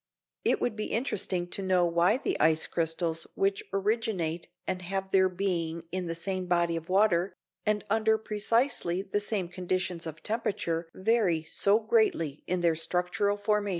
It would be interesting to know why the ice crystals which originate and have their being in the same body of water, and under precisely the same conditions of temperature vary so greatly in their structural formation.